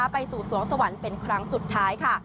ไปสู่สวงสวรรค์เป็นครั้งสุดท้ายค่ะ